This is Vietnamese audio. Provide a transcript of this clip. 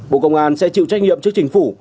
bộ công an sẽ chịu trách nhiệm trước chính phủ